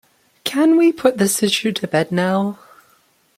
Can we put this issue to bed now?